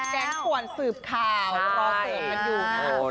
แดงกว่านสืบข่าวรอเสริมกันอยู่